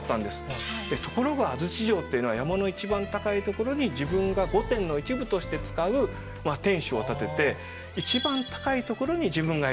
ところが安土城っていうのは山の一番高い所に自分が御殿の一部として使う天主を建てて一番高い所に自分がいると。